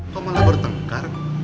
kok malah baru tengkar